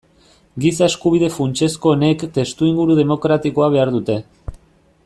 Giza-eskubide funtsezkoenek testuinguru demokratikoa behar dute.